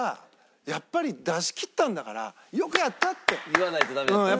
言わないとダメですね。